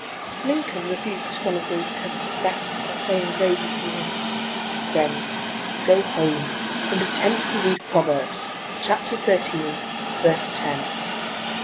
Lincoln rebuked one of these covetous vexers by saying gravely to him: "Friend, go home and attentively read 'Proverbs,' chapter thirteen, verse ten."